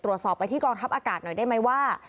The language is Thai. ตรวจสอบไปที่กองทัพอากาศหน่อยได้ไหมว่า